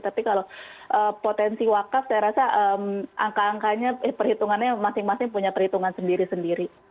tapi kalau potensi wakaf saya rasa angka angkanya perhitungannya masing masing punya perhitungan sendiri sendiri